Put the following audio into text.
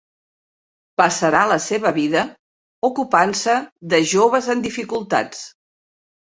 Passarà la seva vida ocupant-se de joves en dificultats.